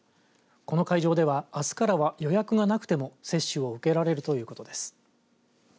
この会場ではあすからは予約がなくても接種を受けられるということです。